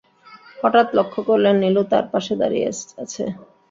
হঠাৎ লক্ষ করলেন, নীলু তাঁর পাশে দাঁড়িয়ে আছে।